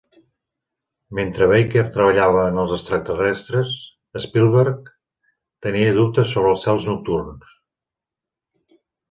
Mentre Baker treballava en els extraterrestres, Spielberg tenia dubtes sobre "Cels nocturns".